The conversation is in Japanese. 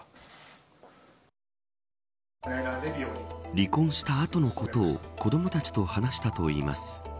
離婚した後のことを子どもたちと話したといいます。